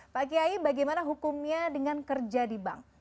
pak kiai bagaimana hukumnya dengan kerja di bank